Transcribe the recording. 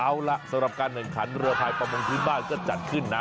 เอาล่ะสำหรับการแข่งขันเรือไทยประมงพื้นบ้านก็จัดขึ้นนะ